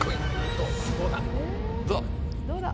どうだ？